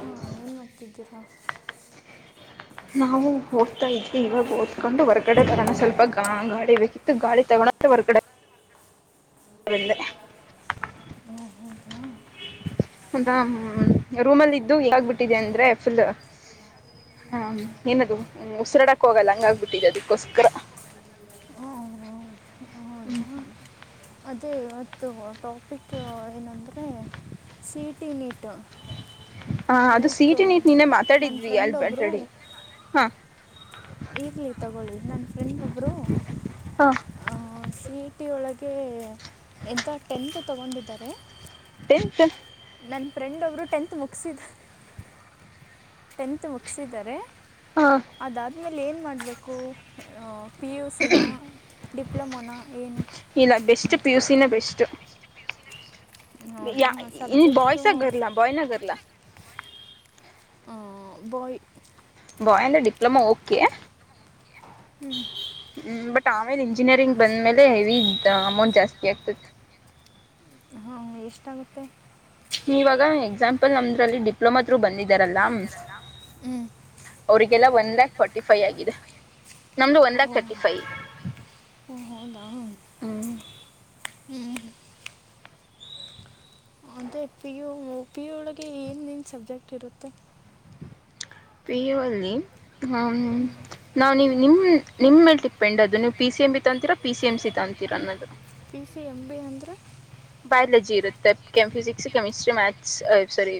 ಹಾ ಏನ್ ಮಾಡ್ತಿದ್ದೀರ ನಾವು ಹೋಗದ್ತಾ ಇದ್ವಿ ಇವಾಗ ಓದ್ಕೊಂಡು ಹೊರ್ಗಡೆ ಬರೋಣ ಸ್ವಲ್ಪ ಗಾ ಗಾಳಿ ಬೇ ಇತ್ತು ಗಾಳಿ ತಕೋಳೋಕೆ ಹೊರಗಡೆ ಬಂದೆ ಹ್ಮ್, ಹೌದಾ ಒಂತರ ರೂಮ್ಲ್ಲಿ ಇದ್ದು ಇದಾಗ್ಬಿಟ್ಟಿದೆ ಅಂದ್ರೆ ಫುಲ್ ಹ್ಮ ಏನದು ಉಸಿರು ಆಡೋಕುವೆ ಆಗಲ್ಲ ಹಂಗ್ ಹಾಗಿಬಿಟ್ಟಿದ್ದೆ ಅದಿಕ್ಕೋಸ್ಕರ ಹು ಹ್ಮ್ ಅದೇ ಇವತ್ತು ಟಾಪಿಕ್ ಏನಂದರೆ ಸಿ ಇ ಟಿ ನಿಟ್ ಹಾ ಅದು ಸಿ ಇ ಟಿ ನಿನ್ನೆ ಮಾತಾಡಿದ್ವಿ ಫ್ರೆಂಡ್ ಅಲ್ಬ ಅಲ್ರೆಡಿ ಹಾ ಇರ್ಲಿ ತಗೊಳ್ಳಿ ನನ್ನ ಫ್ರೆಂಡ್ ಒಬ್ರು ಹಾ C E T C E T ಒಳ್ಳಗೆ ಎಂಥ ಟೆಂತ್ ತಗೊಂಡಿದ್ದಾರೆ ಟೆಂತ್ ನನ್ನ ಫ್ರೆಂಡ್ ಒಬ್ಬರು ಟೆಂತ್ ಮುಗಿಸಿದ್ದಾರೆ ಟೆಂತ್ ಮುಗಿಸಿದ್ದಾರೆ ಹಾ ಆಮೇಲೆ ಏನುಮಾಡಬೇಕು ಪಿ ಯು ಸಿ ನ ಡಿಪ್ಲೊಮಾ ಏನು ಇಲ್ಲ ಬೆಸ್ಟ್ ಪಿ ಯು ಅಂತ ಸಿ ನೆ ಬೆಸ್ಟು ಯ ಹೌದಾ ಸಬ್ಜೆಕ್ಟು ಬಾಯ್ಸ ಗರ್ಲಾ ಬಾಯ್ನ ಗರ್ಲಾ ಹ ಬಾಯ್ ಬಾಯ್ ಅಂದ್ರೆ diploma okay hmm hmm but ಆಮೇಲೆ ಇಂಜಿನಿಯರಿಂಗ್ ಬಂದ್ಮೇಲೆ ಹೆವಿ ಅಮೌಂಟ್ ಜಾಸ್ತಿ ಆಗ್ತತಿ ಹ್ಮ್ ಎಷ್ಟಾಗುತ್ತೆ ಇವಾಗ ಎಕ್ಸಾಂಪಲ್ ನಮ್ರಲ್ಲಿ ಡಿಪ್ಲೊಮಾ ತ್ರು ಬಂದಿದಾರಲ್ಲ ಹ್ಮ್ ಈವಾಗ ಎಲ್ಲಾ ಒನ್ ಲ್ಯಾಕ್ ಫೋರ್ಟಿ ಫೈವ್ ಆಗಿದೆ ನಮ್ದು ಒನ್ ಓ ಲಾಕ್ ತರ್ಟಿ ಫೈ ಓ, ಹ್ಮ ಹ್ಮ್ ಅದೇ ಪಿ ಯು ಪಿ ಯು ಒಳಗೆ ಏನೇನು ಸಬ್ಜೆಕ್ಟ್ ಇರುತ್ತೆ ಪಿ ಯು ಅಲ್ಲಿ ನಾವು ನಿಮಗೆ ನಿಮ್ಮ್ ನಿಮ್ಮ ಮೇಲೆ ಡಿಪೆಂಡ್ ಅದು ನೀವು ಪಿ ಸಿ ಎಂ ಬಿ ತಕೊಂತೀರಾ ಪಿ ಸಿ ಎಮ್ ಸಿ ತೊಂತೀರ ಅನ್ನೋದು ಪಿ ಸಿ ಎಮ ಬಿ ಅಂದರೆ ಕಲಜಿ ಇರುತ್ತೆ ಕೆ physics chemistry maths sorry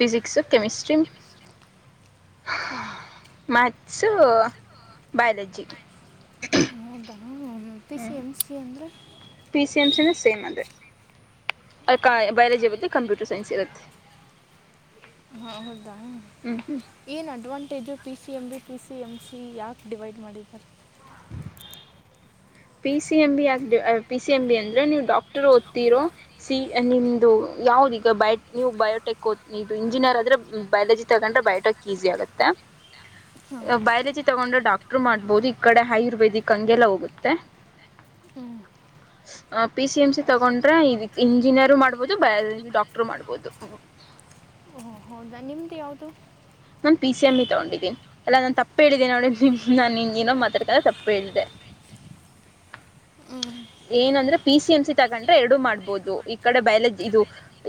physics chemistry ಹ್ಮ ಆರ್ಟ್ಸು ಬಯಾಲಜಿ ಹೌದಾ ಪಿ ಹ್ಞೂ ಸಿ ಎಂ ಸಿ ಅಂದ್ರೆ ಪಿ ಸಿ ಎಂ ಸಿ ನು ಸೇಮ್ ಅದೆ ಬೈಯೋಲಜಿ ಮತ್ತೆ ಕಂಪ್ಯೂಟರ್ ಸೈನ್ಸ್ ಇರುತ್ತೆ ಹ್ಮ್ ಹೌದ ಹ್ಞೂ ಹ್ಞೂ ಏನ್ advantage P C M B P C M C ಯಾಕೆ ಡಿವೈಡ್ ಮಾಡಿದ್ದಾರೆ ಪಿ ಸಿ ಎಂ ಬಿ ಯಾಕೆ ಪಿ ಸಿ ಎಂ ಬಿ ಅಂದ್ರೆ ನೀವು ಡಾಕ್ಟರ್ ಓದ್ತಿರೋ ಸಿ ನಿಮ್ದು ಯಾವುದು ಈಗ ಬಯ ನೀವು ಬಯೋಟೆಕ್ ಓತೀನಿ ಇದು ಇಂಜಿನಿಯರ್ ಆದರೆೆ ಬಯಾಲಜಿ ತಗೊಂಡ್ರೆ ಬಯೋಟೆಕ್ ಈಸಿ ಆಗುತ್ತೆ ಎಂತ ಬಯಾಲಜಿ ತಗೊಂಡ್ರೆ ಡಾಕ್ಟರು ಮಾಡ್ಬೋದು ಈ ಕಡೆ ಆಯುರ್ವೇದಿಕ್ ಹಂಗೆಲ್ಲ ಹೋಗುತ್ತೆ ಹ್ಮ್ ಪಿ ಸಿ ಎಂ ಸಿ ತಗೊಂಡ್ರೆ ಇದ ಇಂಜಿನಿಯರ್ ಮಾಡ್ಬೋದು ಬಯಾಲಜಿ ಡಾಕ್ಟರ್ ಮಾಡ್ಬೋದು ಓ ಹೌದಾ ನಿಮ್ದ ಯಾವದು ನಾನನ್ ಪಿ ಸಿ ಎಂ ಬಿ ತಗೊಂಡಿದ್ದೀನಿ ಅಲ್ಲ ನಾನನ್ ತಪ್ಪ ಹೇಳಿದೆೇನೆ ನೋಡ ನಾನ್ ನಿ ಏನೋ ಮಾತಾಡ್ಕಲ್ಲ ತಪ್ಪ ಹೇಳಿದೆೆ [inaudible] ಹ್ಞೂ ಏನಂದ್ರೆ ಪಿ ಸಿ ಎಂ ಸಿ ತಗೊಂಡ್ರೆ ಎರಡು ಮಾಡ್ಬಹುದು ಈ ಕಡೆ ಬಯಲಜಿ ಇದು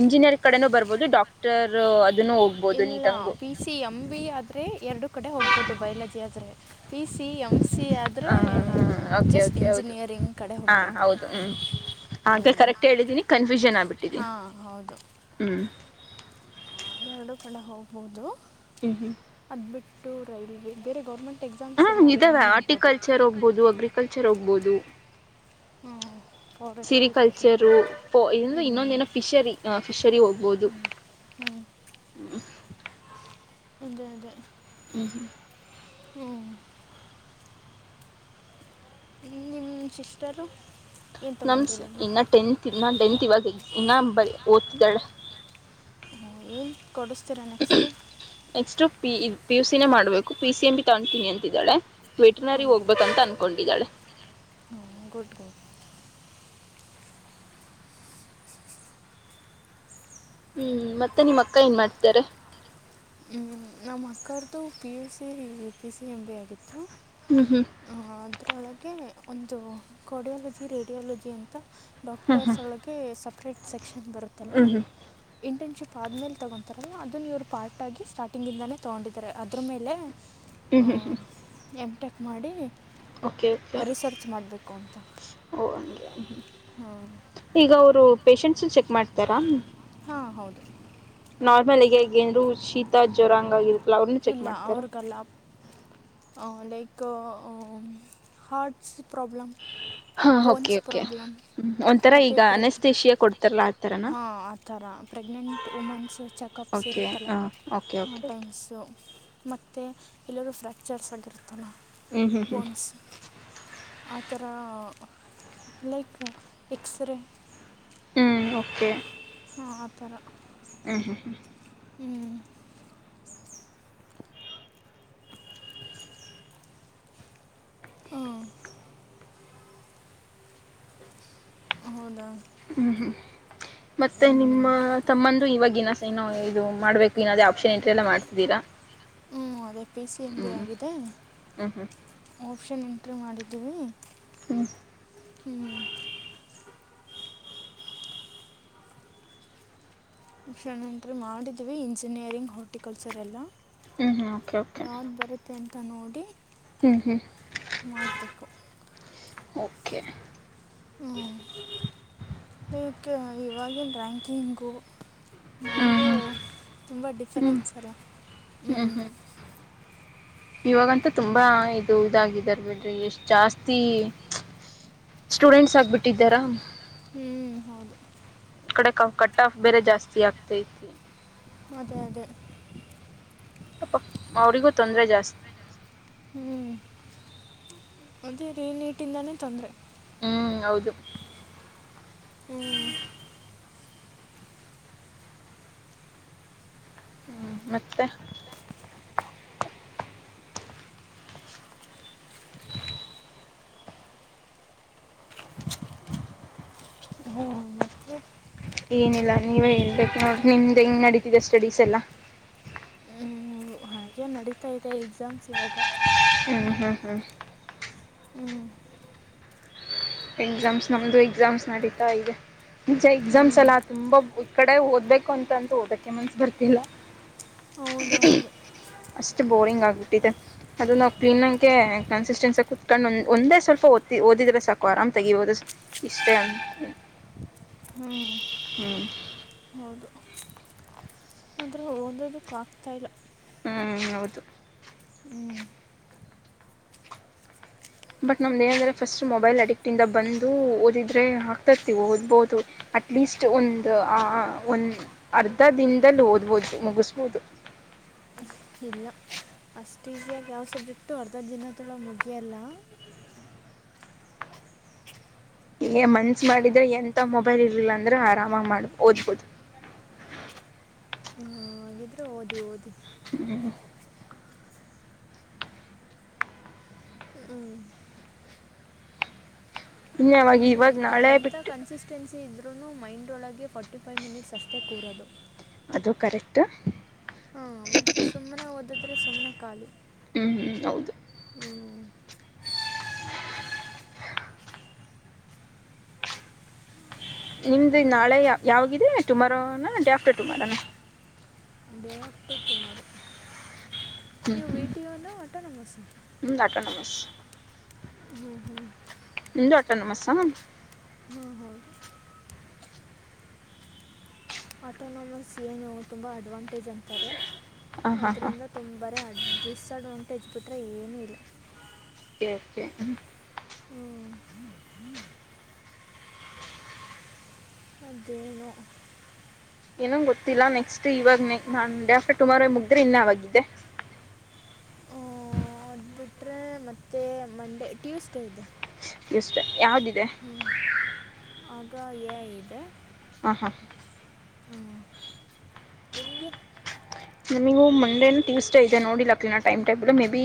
ಇಂಜಿನಿಯರ್ ಕಡೆನೂ ಬರ್ಬಹದು ಬಹದು ಡಾಕ್ಟರ್ ಅದನ್ನು ಹೋಗ್ಬಹುದು ಇಲ್ಲ ಪಿ ಸಿ ಎಮ್ ಬಿ ಆದ್ರರೆ ಎರಡು ಕಡೆ ಹೋಗ್ಬಹದು ಬಯಲಜಿ ಆದರೆ ಪಿ ಸಿ ಎಮ್ ಸಿ ಆದರೆ ಹ ಓಕೆ ಜಸ್ಟ್ ಓಕೆ ಹೌದು ಇಂಜಿನಿಯರಿಂಗ್ ಕಡೆ ಹಾ ಹೋಗಬೇಕು ಹೌದು ಹ್ಮ್ ಹಾಗೆ ಕರೆಕ್ಟ್ ಹೇಳಿದ್ದೀನಿ ಕನ್ಫ್ಯೂಷನ್ ಆಗ್ಬಿಟ್ಟಿದೀನಿ ಹಾಂ ಹೌದು ಹ್ಮ್ ಎರಡು ಕಡ ಹೋಗ್ಬಹುದು ಹ್ಮ ಹ್ಮ ಟು ರೈಲ್ವೆ ಬೇರೆ ಗೌರ್ಮೆಂಟ್ ಎಕ್ಸಾಮ್ಸ್ ಹ್ಮ ಎಲ್ಲ ಇದಾವೆ ಅಟೆಂಡ್ ಮಾಡ್ಬೋದು ಆಾರ್ಟಿಕಲ್ಚರ್ ಹೋಗ್ಬೋದು ಅಗ್ರಿಕಲ್ಚರ್ ಹೋಗ್ಬೋದು ಹ್ಞೂ ಫಾರೆಸ್ಟ್ರಿ ಫಿಶಿಂಗ್ ಸಿರಿಕಲ್ಚರುಂದ್ರ ಹ್ಞೂ ಇನ್ನೊಂದ ಏನೋ ಫಿಶರಿ ಫಿಶರಿ ಹೋಗ್ಬೋುದು ಹ್ಮ್ ಅದೇ ಅದೇ ಹ್ಮ್ ಹ್ಮ ಹ್ಮ್ ನಿಮ್ ನಿಮ್ ಸಿಸ್ಟರ್ರು ನಮ್ಮಸ್ ಇನ್ನು ಟೆಂತ್ ನಾನು ಟೆಂತ್ ಇವಾಗ ಎಗ್ಸ್ ಇನ್ನ ಬರಿ ಓದ್ತಿದಾಳೆ ಹಾ ಏನು ಕೊಡಿಸ್ತೀರಾ next next P E P U C ನೇ ಮಾಡ್ಬೇಕು ಪಿ ಸಿ ಎಂ ಬಿ ತಗೊಂತೀನಿ ಅಂತಿದ್ದಾಳೆ ವೆಟುರ್ನರಿ ಹೋಗ್ಬೇಕಂತ ಅನ್ಕೊಂಡಿದಾಳೆ ಗುಡ್ ಗುಡ್ ಹ್ಮ್ ಮತ್ತೆ ನಿಮ್ ಅಕ್ಕ ಏನ್ ಮಾಡ್ತರೆ ನಮ್ ಅಕ್ಕರ್ದು P U C P C M B ಆಗಿತ್ ತ್ತು ಹ್ಮ್ ಆ ಅದ್ರೊಳಗೆ ಒಂದು ಕೋಡಿಯಾಲಜಿ ರೇಡಿಯಾಲಜಿ ಅಂತ ಹ್ಮ್ ಹ್ಮ್ ಹ್ಮ್ ಡಾಕ್ಟರ್ಸ್ ಒಳಗೆ ಸಪ್ರೇಟ್ ಸೆಕ್ಷ ನ್ ಬರುತ್ತಲ್ಲ ಹ್ಮ್ ಇಂಟರ್ನ್ಶಿಪ್ ಆದ್ಮೇಲೆ ತಗೊಂತಾರಲ್ಲ ಅದುನ್ ಇವ್ರು ಪಾರ್ಟಾಗಿ ಸ್ಟಾರ್ಟಿಂಗಿಂದನೆ ತಗೊಂಡಿದಾರೆ ಅದ್ರು ಮೇಲೆ ಆ ಹ್ಮ್ ಹ್ಮ್ ಹ್ಮ್ ಹ್ಮ್ ಎಮ್ ಟೆಕ್ ಮಾಡಿ ಓಕೆ ಓಕೆ ರಿಸರ್ಚ್ ಮಾಡಬೇಕು ಅಂತ ಓ ಹಂಗೆ ಹಾಂ ಈಗ ಅವ್ರು ಪೇಶಂಟ್ಸ್ ಚೆಕ್ ಮಾಡ್ತರಾ ಹಾ ಹೌದು ನಾರ್ಮಲ್ ಈಗ ಈಗ್ ಗೇಂದ್ರು ಶೀತ ಜ್ವರ ಹಂಗ್ ಆಗಿರುತ್ ಇಲ್ಲ ಅವ್ರಗಲ್ಲ ಆ ಲೈಕ್ ಕು ಊ ಹಾಟ್ಸ್ ಪ್ರಾಬ್ಲಮ್ ಹಾ ಓಕೆ ಬೋನ್ಸ್ ಓಕೆ ಪ್ರಾಬ್ಲಮ್ ಹ್ಮ್ ಒಂಥರ ಮತ್ತು ಈಗ ಪ್ರೆಗ್ ಅನಸ್ತೇಶಿಯ ಕೊಡ್ತಾರಲ ಆಥರನಾ ಹಾಂ ಆ ಥರ ಪ್ರೆಗ್ನೆಂಟ್ ವುಮೆನ್ಸು ಚೆಕಪ್ಸ್ ಇರುತ್ತಲ್ಲ ಹಾಂ ಓಕೆ ಓಕೆ ಮತ್ ಓಕೆ ಮತ್ತೆ ಎಲ್ಲರೂ ಫ್ರಾಕ್ಚರ್ಸ್ ಆಗಿರುತ್ ತ್ತಲ ಹ್ಞೂ ಹ್ಞೂ ಹ್ಞೂ ಬೋನ್ಸ್ ಆ ಥರ ಲೈಕ್ ಎಕ್ಸ್ರೇ ಹ್ಮ್ ಓಕೆ ಹಾ ಆ ಥರ ಹ್ಮ್ ಹ್ಮ್ ಹ್ಮ್ ಹ್ಮ್ ಹ್ಮ್ ಹೌದಾ ಹ್ಮ್ ಹ್ಮ್ ಮತ್ತೆ ಹ್ಞೂ ನಿಮ್ಮ ತಮ್ಮಂದ್ರು ಇವಾಗಿನ್ನ ಇದು ಮಾಡ್ಬೇಕು ಇನಾದ್ರು ಆಪ್ಷನ್ ಎಂಟ್ರಿ ಎಲ್ಲ ಮಾಡ್ತಿದೀರ ಹ್ಮ್ ಅದೇ ಪಿ ಸಿ ಎಂ ಬಿ ಆಗಿದೆ ಹ್ಞೂ ಆಪ್ಷನ್ ಎಂಟ್ ಟ್ರಿ ಮಾಡಿದೀವಿ ಹ್ಮ್ ಹ್ಮ್ ಆಪ್ಶನ್ ಎಂಟ್ರಿ ಮಾಡಿದೀವಿ ಇಂಜಿನಿಯರಿಂಗ್ ಹಾರ್ಟಿಕಲ್ಚರ್ ಎಲ್ಲ ಹ್ಮ್ ಹ್ಮ್ ಓಕೆ ಓಕೆ ತನಕ ನೋಡಿ ಹ್ಞೂ ಹ್ಞೂ ಮಾಡ್ಬೇಕು ಓಕೆ ಈಕ್ಕೆ ಇವಾಗಿನ್ ರ್ಯಾಂಕಿಂಗು ಹ್ಞೂ ನಮ್ಗೂ ಹ್ಞೂ ತುಂಬ ಹ್ಞೂ ಡಿಫರೆನ್ಸ್ ಅಲ್ಲ ಹ್ಮ್ ಇವಾಗಂತು ತುಂಬಾ ಇದು ಇದಾಗಿದ್ ದರ್ ಬಿಡ್ರಿ ಎಷ್ಟ್ ಜಾಸ್ತಿ ಸ್ಟೂಡೆಂಟ್ಸ್ ಆಗ್ಬಿಟ್ಟಿದ್ದಾರ ಹ್ಮ್ ಹೌದು ಕಡೆ ಕ ಕಟ್ ಆಫ್ ಬೇರೆ ಜಾಸ್ತಿ ಆಗ್ತೈತಿ ಅದೇ ಅದೇ ಅಪ್ಪ ಅವ್ರಿಗೂ ತೊಂದರೆ ಜಾಸ್ತಿ ಅದೇರೀ ನೀಟ್ ಇಂದಾನೆ ತೊಂದ್ರೆ ಹ್ಮ್ ಹೌದು ಹ್ಮ್ ಹ್ಮ ಮತ್ತೆ ಹ್ಮ ಮತ್ತೆ ಏನಿಲ್ಲ ನೀವನ ನಿಮ್ದ್ ಹೆಂಗ್ ನಡೀತಿದೆ ಸ್ಟಡೀಸ್ ಎಲ್ಲ ಗೆ ನಡೀತಾ ಇದೆ ಎಕ್ಸಾಮ್ಸ್ ಇವಾಗ ಹ್ಮ್ ಹ್ಮ್ ಹ್ಮ್ ಹ್ಮ್ ಎಕ್ಸಾಮ್ಸ್ ನಮ್ದು ಎಕ್ಸಾಮ್ಸ್ ನಡೀತಾ ಇದೆ ಮುಂಚೆ ಹ್ಞೂ ಎಕ್ಸಾಮ್ಸ್ ಎಲ್ಲ ತುಂಬಾ ಕಡೆ ಓದ್ಬೇಕು ಅಂತ ಅಂತ ಓದಕ್ಕೆ ಮನ್ಸ ಬರ್ತಿಲ್ಲ ಹೌದ ಹೌದು ಷ್ಟ ಬೋರಿಂಗ್ ಆಗ್ಬಿಟ್ಟಿದೆ ಅದು ನಾವು ಕ್ಲೀನ್ ಆಗೆ ಕನ್ಸಿಸ್ಟೆನ್ಸ್ ಕುತ್ಕೊಂಡು ಒಂದ ಸ್ವಲ್ಪಓ ಓದಿದ್ರೆ ಸಾಕು ಆರಾಮ್ ತೆಗಿುವೋದು ಇಷ್ಟೇ ಅಂತ ಹ್ಮ್ ಹ್ಞೂ ಹೌ ಆದ್ರ ಓದೋದಕ್ಕ ಆಗ್ತಾ ಇಲ್ಲ ಹ್ಞ ಹೌದು ಬಟ್ ನಮ್ದ ಏನಂದ್ರೆ ಫಸ್ಟ್ ಮೊಬೈಲ್ ಅಡಿಕ್ಟ್ ಇಂದ ಬಂದು ಓದಿದ್ರೆ ಆಾಕ್ತಾರ್ತಿವಿ ಓದ್ಬಹುದು ಅಟ್ಲೀಸ್ಟ್ ಒಂದು ಆ ಒಂದ್ ಅರ್ಧ ದಿನದಲ್ಲಿ ಓದ್ಬೋದು ಮುಗಿಸಬೋದು ಹ ಇಲ್ಲ ಅಷ್ಟು ಈಸಿಯಾಗಿ ಯಾವ ಸಬ್ಜೆಕ್ಟು ಅರ್ಧ ದಿನದಳ ಮುಗಿಯಲ್ಲ ಹ್ಮ ಹೇ, ಮನ್ಸ, ಮಾಡಿದ್ರೆ, ಎಂತ, ಮೊಬೈಲ್! ಇರ್ಲಿಲ್ಲ, ಅಂದ್ರೆ, ಆರಾಮಾಗಿ, ಮಾಡ ಓದ್ಬೋದು. [inaudible] ಹ್ಮ್, ಒದ್ಹುಒಧು. [inaudible] ಹ್ಮ.. [unintelligible] ಇನ್ವಾಗ ಎಂಥ ಕನ್ಸಿಸ್ಟೆನ್ಸಿ ಇದ್ರೂ ಮೈಂಡೊಳಗೆ ಫಾರ್ಟಿ ಫೈವ್ ಮಿನಿಟ್ಸ್ ಅಷ್ಟೇ ಕೂರೋದು ಅದು ಕರೆಕ್ಟ್ ಹಾ ಮತ್ತೆ ಸುಮ್ನೆ ಓದಿದ್ರೆ ಸುಮ್ನೆ ಖಾಲಿ ಹ್ಮ್ ಹೌದು ನಿಮ್ದು ನಾಳೆ ಯಾವಾಗಿದೆ ಟುಮಾರೋನಾ ಡೇ ಆಫ್ಟರ್ ಟುಮಾರೋನಾ ತ್ತುುಮರುು ಹ್ಮ್ ಹ್ಮ್ ಆಟೋನಮಸ್ಸಾ ಹ್ಮ ಕ ನಮಸ್ ಹ್ಮ್ ಹ್ಮ್ ಏನ್ಯಾಡುತ್ತಾನೆ, ನಮತಾರ. [inaudible] ಹ್ಮ್ಮ್ಹ್ಮ್. [unintelligible] ಆಟೋನಾಮಸ್, ಏನು, ತುಂಬ, ಅಡ್ವಾಂಟೇಜ್ ಅಂತಾರೆ? [unintelligible] ಹಾಂ ಹಾಂ ಆದದರಿಂದ, ತುಂಬರೆ, ಅಡ್ರಿಸಡ್, ಡಿಸ್ ಅಡ್ವಾಂಟೇಜ್, ಏನೂ ಇಲ್ಲ. [unintelligible] ಓಕೆ, ಓಕೆ, ಹ್ಮ್ಮ್. [unintelligible] ಹ್ಮ್. [inaudible] ಅದೇನು. [unintelligible] ಏನೊ, ಗೊತ್ತಿಲ್ಲ ನೆಕ್ಸ್ಟ್, ಇವಾಗ, ನಾನ್, ಡೇ ಆಫ್ಟರ್, ಟುಮಾರೋ, ಮುಗ್ದ್ರೆ ಇನ್ನ ಆವಾಗಿದ್ದೆ. [unintelligible] ಮತ್ತೆ, ಮತ್ತೆ, ಮಂಡೇ, ಟ್ಯೂಸ್ಡೇ, ಇದೆ. [inaudible] ಇಷ್ಟೇ ಯಾವುದಿದೆ? ಹ್ಞೂ [unintelligible] ಆಗ, ಏಐ, ಇದೆ ಹ್ಮ್ಮ್, ಹ್ಮ್ಮ್. [unintelligible] ಹ್ಮ್, ಎಲ್ಲಿಗೆ. [unintelligible] ನಿಮಗೆ, ಮಂಡೇನು, ಟ್ಯೂಸ್ಡೇ, ಇದೆ ನೋಡಿಲ ಪುನಃ, time, table, May, be.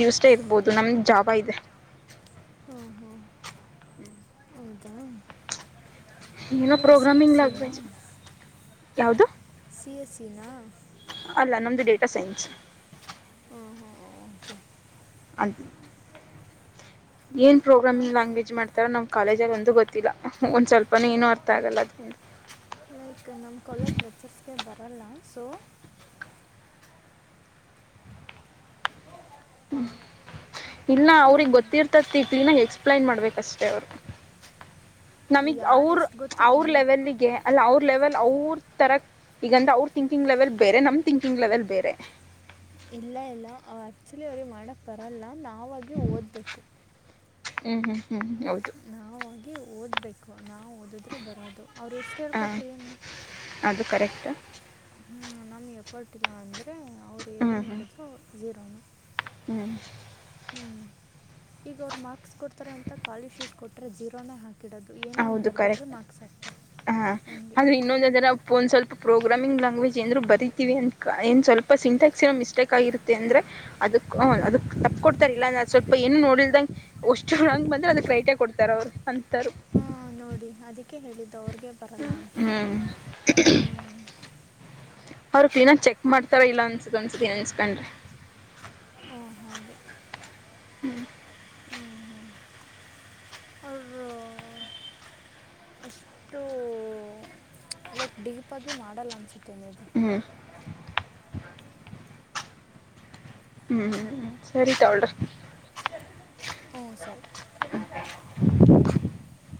Tuesday ಇರ್ಬಹದು, ನಮ್ಧು, ಜಾಬ್. [unintelligible] ಅಬ್ಬಾ, ಇದೆ. [unintelligible] [unintelligible] [inaudible] ಹೌದಾ ಏನೋ, ನಿಮ್ಮ ಸಿ ಎಸ್ ಪ್ರೋಗ್ರಾಮಿಂಗ್, ಸಿನಾ ಲ್ಯಾಂಗ್ವೇಜ್ ಯಾವದು? [unintelligible] ಪಿಯುಸಿನ? [unintelligible] ಅಲ್ಲ, ನಂದೂ, ಡೇಟಾ ಸೈನ್ಸ್. [unintelligible] ಹ್ಮ್ಮ್, ಹ್ಮ್ಮ್, ಓಕೆ. [unintelligible] ಅಂಡು. [unintelligible] ಏನ್, ಹಾಂ ಪ್ರೋಗ್ರಾಮಿಂಗ್, ಲ್ಯಾಂಗ್ವೇಜ್, ಮಾಡತಾರೇ, ನಮ್, ಕಾಲೇಜು, ಅಲ್ಲಿ, ಒಂದು ಗೊತ್ತಿಲ್ಲ! ಒಂದ್, ಸ್ವಲ್ಪನು, ಏನು, ಅರ್ಥ, ಆಗಲ್ಲ. [unintelligible] [unintelligible] [inaudible] ಲೈಕ್, ನಮ್ಮ, ಕಾಲೇಜ್, ಲೆಕ್ಚರ್ಸ್ಗೆ, ಬರಲ್ಲ, ಸೊ. [unintelligible] ಇಲ್ಲ, ಅವ್ರಿಗೆ, ಗೊತ್ತಿರ್ತತಿತ್ರಿ, ಇ ತಿಂಗಳು, ಎಕ್ಸ್ಲೈನ್, ಮಾಡ್ಬೇಕಷ್ಟೇ! ಅವರು. [unintelligible] ನಮಗ್, ಯಾರು ಅವ್ರ, ಎಷ್ಟು ಗೊತ್ತಿ ಅವ್ರ, ಇಲ್ಲಿ ಲೆವೆಲ್ಗೆ, ಅಲ್ಲ, ಅವರು. [unintelligible] ಲೆವೆಲ್, ಅವ್ರ, ತರ, ಈಗ, ಅವ್ರ, ಥಿಂಕಿಂಗ್, ಲೆವೆಲ್, ಬೇರೆ, ನಮುಥಿಂಕಿಂಗ್, ಲೆವೆಲ್ ಬೇರೆ. [unintelligible] ಇಲ್ಲ, ಇಲ್ಲ, ಆ್ಯಕ್ಚುಲಿ! ಅವ್ರಿಗೆ, ಮಾಡಕ್, ಬರಲ್ಲ ನಾವಾಗಿ, ಓದಬೇಕು. [unintelligible] ಹ್ಮ್, ಹ್ಮ್, ಹ್ಮ್, ಹೌದು. [unintelligible] ನಾವಾಗಿ ಓದಬೇಕು, ನಾವು ಓದಿದ್ರೆ, ಬರೋದು, ಅವರು, ಎಷ್ಟು, ಹಾಂ ಹೇಳಿಕೊಟ್ರೆ, ಏನು? [unintelligible] [inaudible] [unintelligible] ಹ್ಮ್, ನಮಗೆ, ಎಫರ್ಟ್, ಇಲ್ಲ, ಅಂದರೆ, ಅವರು, ಏನು, ಮಾಡಿದ್ರು, ಹೀರೋಣೆ. [unintelligible] ಹ್ಮ್. [unintelligible] ಹ್ಮ್ಮ್, ಈಗ ಅವ್ರು, ಮಾರ್ಕ್ಸ್, ಕೊಡ್ತಾರೆ! ಅಂತ, ಖಾಲಿ ಶೀಟ್, ಕೊಟ್ಟರೆ, ಜೀರೋನೇ, ಹಾಕಿ. [unintelligible] ಹೌದು, ಕರೆಕ್ಟ್, ಹ, ಹಂಗೆ ಆದ್ರೆ, ಇನ್ನೊಂದರ, ಒಂದ್ ಸ್ವಲ್ಪ. [inaudible] ಪ್ರೋಗ್ರಾಮಿಂಗ್, ಲ್ಯಾಂಗ್ವೇಜ್ ಎಂದರು ಬರಿತೀವಿ ಅಂತ ಏ ಸ್ವಲ್ಪ ಸಿಂಟೆಕ್ಸ್. ನೋ ಮಿಸ್ಟೇಕ್ಗಿರುತ್ತೆ ಆದ್ರೆ, ಅದಕ್ಕೆ. [inaudible] ಹ್ಮ್, ಅದು ತಪ್ಪ ಕೊಡ್ತಾರ ಇಲ್ಲಾ ನ ಸ್ವಲ್ಪ ಏನು ನೋಡಿಲ್ದಂಗಗೆ ಅಷ್ಟುಂಗ ಬಂದ್ರೆ, ಅಂದ ಕ್ರೈಟಿಯ, ಕೊಡ್ತಾರ? ಅವ್ರು. [inaudible] ಅಂತರು ಹಾಂ ನೋಡಿ ಅದಕ್ಕೆ ಹೇಳಿದ್ದು ಅವ್ರಿಗೆ ಬರಲ್ಲ ಅಂತ ಹ್ಮ್ ಹ್ಞ ಅವ್ರ ಫೀಿನ ಚೆಕ್ ಮಾಡ್ತಾರ ಇಲ್ಲ ಅನ್ಸುದ ಅನ್ಸುದನ್ ಅನ್ಸ್ಕೊಂಡ್ರಿ ಓ ಹಾಗೆ ಹ್ಮ್ ಹ್ಞೂ ಹ್ಞೂ ಅವರು ಅಷ್ಟು ಲೈಕ್, ಡೀಪಾಗಿ, ಮಾಡಲ್ಲ! ಅನಿಸುತ್ತೆ, ಮೇ, ಬಿ. ಹ್ಮ್ [unintelligible] [inaudible] [unintelligible] ಹ್ಮ್, ಹ್ಮ್, ಹ್ಮ್, ಸರಿ, ತಕೋಲ್ರಿ. [unintelligible] ಹು, ಸರಿ. [unintelligible] [inaudible] [unintelligible]